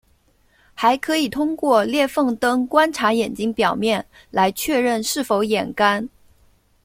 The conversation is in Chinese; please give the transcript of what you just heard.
还可以通过裂缝灯观察眼睛表面来确认是否眼干。